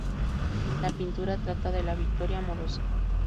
La pintura trata de la victoria amorosa.